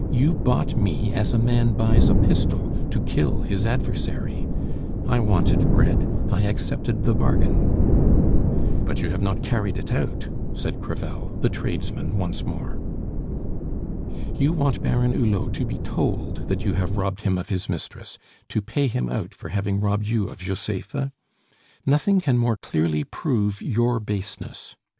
You bought me as a man buys a pistol to kill his adversary. I wanted bread I accepted the bargain." "But you have not carried it out," said Crevel, the tradesman once more. "You want Baron Hulot to be told that you have robbed him of his mistress, to pay him out for having robbed you of Josepha? Nothing can more clearly prove your baseness.